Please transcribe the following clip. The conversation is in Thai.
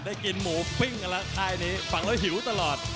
ได้กินหมูปิ้งแล้วค่ะอันนี้ฝั่งเราหิวตลอด